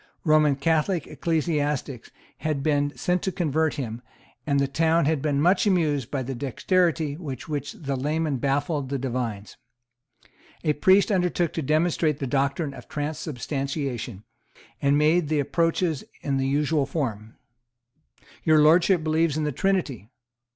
Roman Catholic ecclesiastics had been sent to convert him; and the town had been much amused by the dexterity with which the layman baffled the divines. A priest undertook to demonstrate the doctrine of transubstantiation, and made the approaches in the usual form. "Your Lordship believes in the Trinity."